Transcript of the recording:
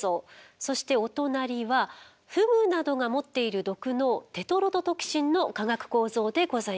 そしてお隣はフグなどが持っている毒のテトロドトキシンの化学構造でございます。